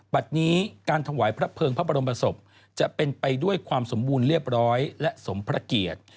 บัตรนี้การถวายพระเภิงพระบรมศพจะเป็นไปด้วยความสมบูรณ์เรียบร้อยและสมพระเกียรติ